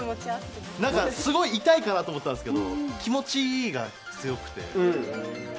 すごい痛いかなと思ったんですけど、気持ちいいが強くて。